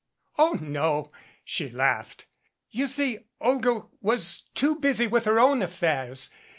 "Oh, no," she laughed. "You see Olga was too busy with her own affairs.